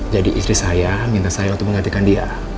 jadi istri saya minta saya untuk menggantikan dia